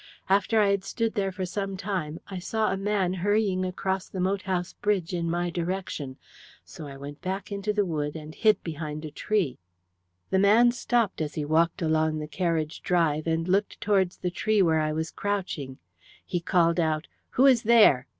After I had stood there for some time I saw a man hurrying across the moat house bridge in my direction, so I went back into the wood and hid behind a tree. The man stopped as he walked along the carriage drive, and looked towards the tree where I was crouching. He called out 'Who is there?'